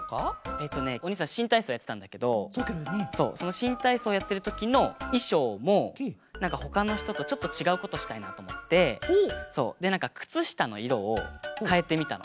えっとねおにいさんしんたいそうやってたんだけどそうそのしんたいそうやってるときのいしょうもなんかほかのひととちょっとちがうことしたいなとおもってでなんかくつしたのいろをかえてみたの。